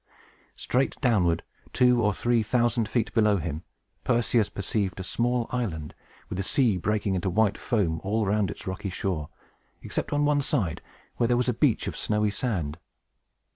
Straight downward, two or three thousand feet below him, Perseus perceived a small island, with the sea breaking into white foam all around its rocky shore, except on one side, where there was a beach of snowy sand.